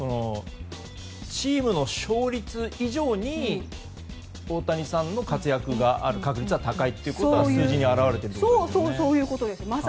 チームの勝率以上に大谷さんの活躍が高いということが数字に表れているんですよね。